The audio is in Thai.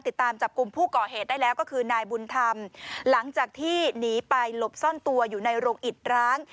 ติดตามจับกลุ่มผู้ก่อเหตุได้แล้วก็คือนายบุญธรรมหลังจากที่หนีไปหลบซ่อนตัวอยู่ในโรงอิดร้าง